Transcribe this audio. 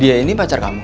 dia ini pacar kamu